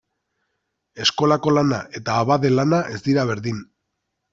Eskolako lana eta abade lana ez dira berdin.